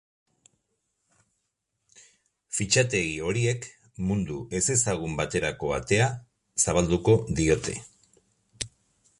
Fitxategi horiek mundu ezezagun baterako atea zabalduko diote.